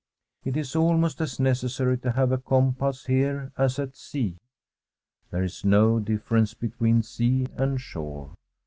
It is almost as necessary to have a compass here as at sea. There is no difference between sea and shore.